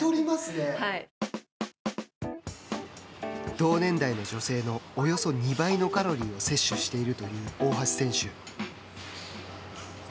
同年代の女性のおよそ２倍のカロリーを摂取しているという大橋選手。